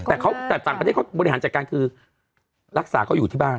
แต่ต่างประเทศเขาบริหารจัดการคือรักษาเขาอยู่ที่บ้าน